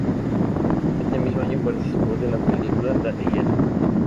Ese mismo año participó de la película "La leyenda".